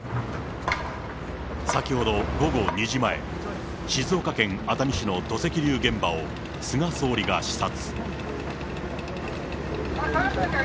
先ほど午後２時前、静岡県熱海市の土石流現場を菅総理が視察。